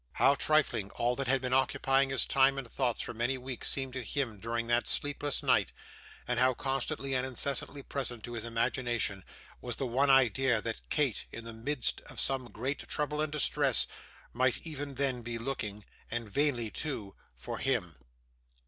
How trifling all that had been occupying his time and thoughts for many weeks seemed to him during that sleepless night, and how constantly and incessantly present to his imagination was the one idea that Kate in the midst of some great trouble and distress might even then be looking and vainly too for him!